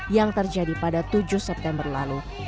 yang terjadi pada tujuh september lalu